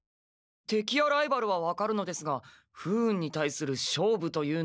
てきやライバルは分かるのですが不運に対する勝負というのは。